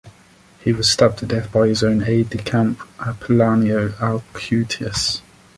He was stabbed to death by his own aide-de-camp, Apolinario Alcuitas.